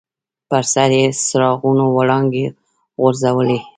پر سر یې څراغونو وړانګې غورځولې.